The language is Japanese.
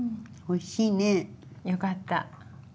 おいしいね。よかった。